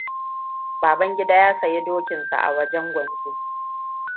Babangida ya sayi dokin sa a wajen gwanjo.